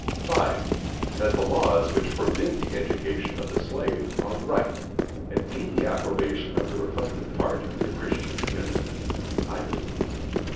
5. That the laws which forbid the education of the slave are right, and meet the approbation of the reflecting part of the Christian community. (Ibid.)